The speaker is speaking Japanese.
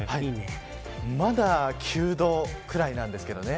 まだ９度くらいなんですけどね。